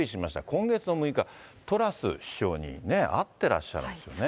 今月の６日、トラス首相に会ってらっしゃるんですよね。